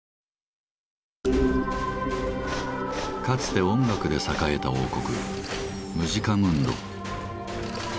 かつて音楽で栄えた王国「ムジカムンド」。